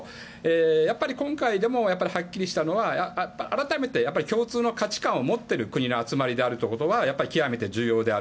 やっぱり今回はっきりしたのは改めて共通の価値観を持っている国の集まりということが極めて大事である。